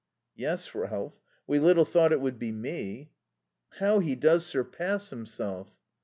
"Yes, Ralph. We little thought it would be me." "How he does surpass himself!"